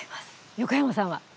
横山さんは？